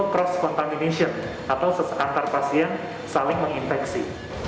cross contamination atau antar pasien saling menginfeksi